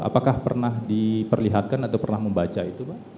apakah pernah diperlihatkan atau pernah membaca itu tong hai hasil dari ekshumasi belum pernah